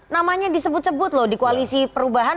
namanya disebut sebut loh di koalisi perubahan